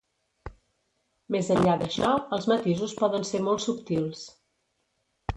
Més enllà d'això, els matisos poden ser molt subtils.